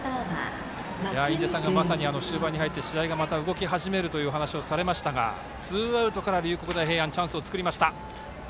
印出さんが終盤に入って試合が動き始めるという話をされましたがツーアウトから龍谷大平安チャンスを作りました。